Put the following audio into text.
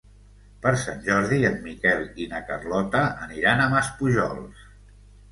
Per Sant Jordi en Miquel i na Carlota aniran a Maspujols.